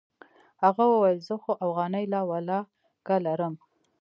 هغه وويل زه خو اوغانۍ لا ولله که لرم.